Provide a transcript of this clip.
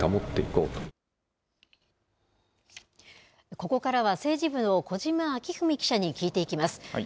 ここからは政治部の小嶋章史記者に聞いていきます。